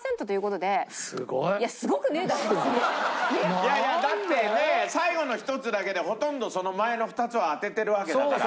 いやいやだってねえ最後の１つだけでほとんどその前の２つは当ててるわけだから。